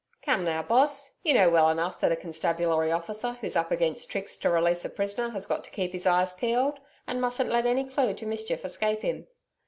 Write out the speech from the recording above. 'Come now, Boss. You know well enough that a constabulary officer who's up against tricks to release a prisoner has got to keep his eyes peeled, and mustn't let any clue to mischief escape him.